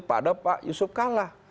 pada pak yusuf kalla